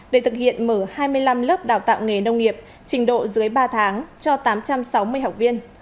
để thực hiện mở hai mươi năm lớp đào tạo nghề nông nghiệp trình độ dưới ba tháng cho tám trăm sáu mươi học viên